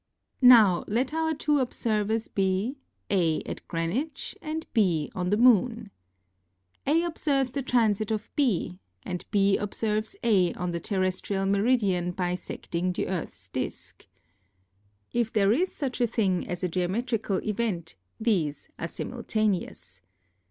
Now let our two observers be, A at Greenwich and B on the Moon. A observes the transit of B, and| B observes A on the terrestrial meridian bisecting the Earth's disk. If there AND RELATIVITY 17 is such a thing as a geometrical event, these are simul taneous.